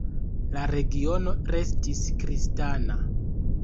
La regiono restis kristana.